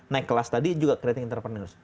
naik kelas tadi juga creating entrepreneur